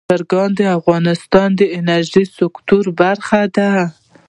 چرګان د افغانستان د انرژۍ سکتور برخه ده.